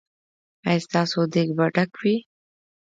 ایا ستاسو دیګ به ډک وي؟